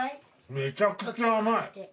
めちゃくちゃ甘い。